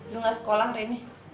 lu gak sekolah hari ini